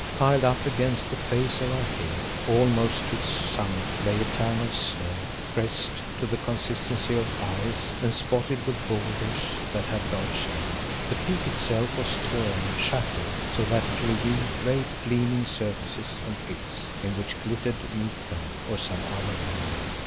Piled up against the face of our hill, almost to its summit, lay a tongue of snow, pressed to the consistency of ice and spotted with boulders that had lodged there. The peak itself was torn and shattered, so that it revealed great gleaming surfaces and pits, in which glittered mica, or some other mineral.